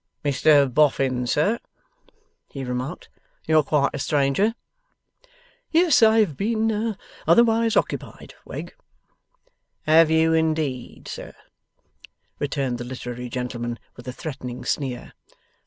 'Mr Boffin, sir?' he remarked. 'You're quite a stranger!' 'Yes. I've been otherwise occupied, Wegg.' 'Have you indeed, sir?' returned the literary gentleman, with a threatening sneer.